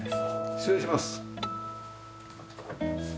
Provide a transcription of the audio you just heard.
失礼します。